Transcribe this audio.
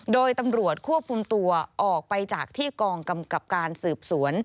โดยตำรวจควบคุมตัวออกไปจากที่กองกำกับการสืบสวน